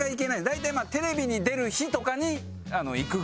大体テレビに出る日とかに行くぐらいですね。